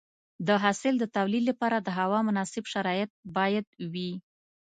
د حاصل د تولید لپاره د هوا مناسب شرایط باید وي.